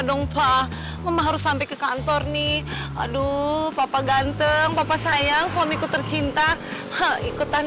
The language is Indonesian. dong pak mama harus sampai ke kantor nih aduh papa ganteng papa sayang suamiku tercinta ikutan